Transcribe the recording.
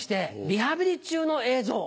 リハビリ中の映像。